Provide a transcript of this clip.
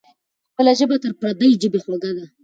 خپله ژبه تر پردۍ ژبې خوږه وي.